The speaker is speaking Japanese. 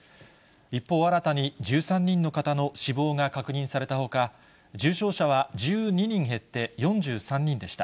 一方、新たに１３人の方の死亡が確認されたほか、重症者は１２人減って４３人でした。